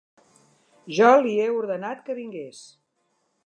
Jo li he ordenat que vingués.